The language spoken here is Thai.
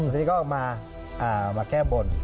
ตรงนี้ก็ออกมามาแก้บน